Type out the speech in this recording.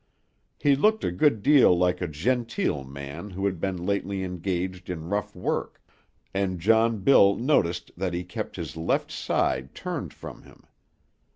He looked a good deal like a genteel man who had been lately engaged in rough work, and John Bill noticed that he kept his left side turned from him.